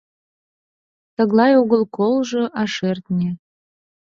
Тыглай огыл колжо, а шӧртньӧ;